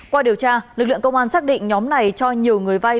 qua điều tra lực lượng công an xác định nhóm này cho nhiều người vay